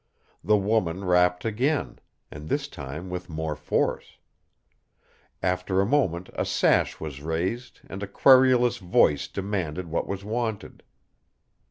The woman rapped again, and this time with more force. After a moment a sash was raised and a querulous voice demanded what was wanted.